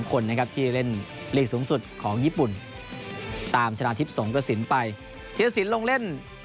คนนะครับที่เล่นลีกสูงสุดของญี่ปุ่นตามชนะทิพย์สงกระสินไปเทียสินลงเล่น